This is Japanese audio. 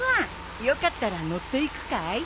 よかったら乗っていくかい？